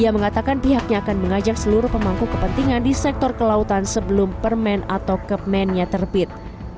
ia mengatakan pihaknya akan mengajak seluruh pemangku kepentingan di sektor kelautan sebelum permen atau kemennya terbit